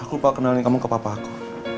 aku lupa kenalin kamu ke papa aku